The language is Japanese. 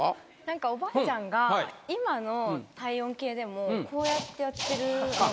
何かおばあちゃんが今の体温計でもこうやってやってるのがあって。